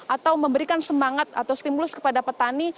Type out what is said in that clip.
atau memberikan semangat atau stimulus kepada petani